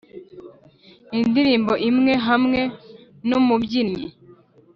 indirimbo imwe hamwe numubyinnyi